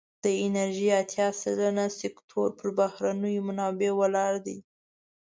د انرژی اتیا سلنه سکتور پر بهرنیو منابعو ولاړ دی.